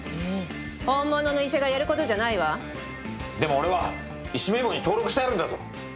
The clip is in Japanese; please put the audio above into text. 本物の医者がやることじゃないわでも俺は医師名簿に登録してあるんだぞ